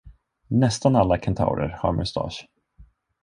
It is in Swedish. Nästan alla kentaurer har mustasch.